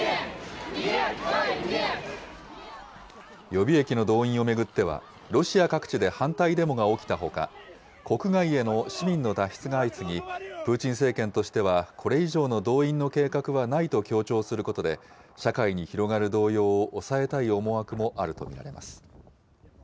予備役の動員を巡っては、ロシア各地で反対デモが起きたほか、国外への市民の脱出が相次ぎ、プーチン政権としては、これ以上の動員の計画はないと強調することで、社会に広がる動揺を抑えたい思惑もあると見られます。